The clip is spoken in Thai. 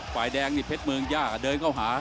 ฝ่ายแดงนี่เพชรเมืองย่าเดินเข้าหา